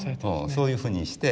そういうふうにして。